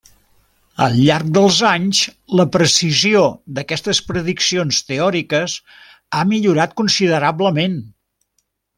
Al llarg dels anys, la precisió d'aquestes prediccions teòriques ha millorat considerablement.